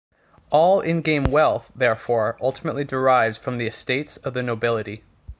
All in-game wealth, therefore, ultimately derives from the estates of the nobility.